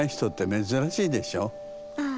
ああ。